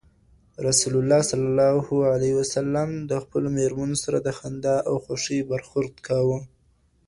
رسول الله د خپلو ميرمنو سره د خندا او خوښۍ برخورد کاوه